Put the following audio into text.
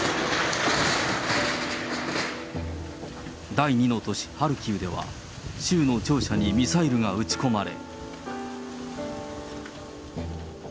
第２の都市、ハルキウでは、州の庁舎にミサイルが撃ち込まれ。